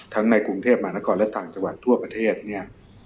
ในกรุงเทพมหานครและต่างจังหวัดทั่วประเทศเนี่ย